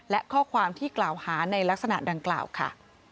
และข้อความที่กล่าวหาในลักษณะดังกล่าวค่ะ